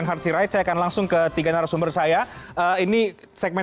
internet ini dianggap ini menggunakan